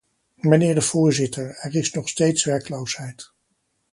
Mijnheer de voorzitter, er is nog steeds werkloosheid.